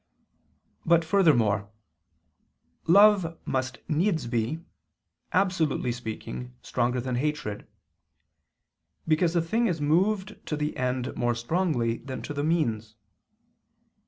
But furthermore, love must needs be, absolutely speaking, stronger than hatred. Because a thing is moved to the end more strongly than to the means.